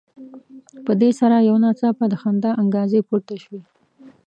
په دې سره یو ناڅاپه د خندا انګازې پورته شوې.